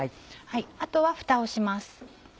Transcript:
あとはふたをします。